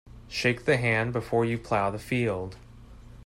Shake the hand before you plough the field.